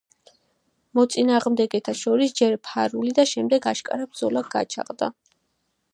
მოწინააღმდეგეთა შორის ჯერ ფარული და შემდეგ აშკარა ბრძოლა გაჩაღდა.